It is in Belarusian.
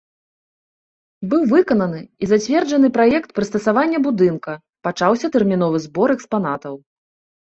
Быў выкананы і зацверджаны праект прыстасавання будынка, пачаўся тэрміновы збор экспанатаў.